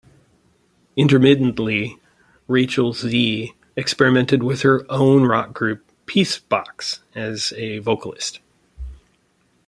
Intermittently, Rachel Z experimented with her own rock group Peacebox as a vocalist.